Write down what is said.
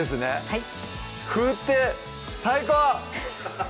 はい風って最高！